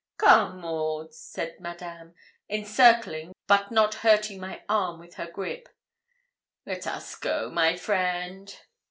'Come, Maud,' said Madame, encircling but not hurting my arm with her grip; 'let us go, my friend.'